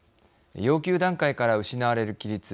要求段階から失われる規律。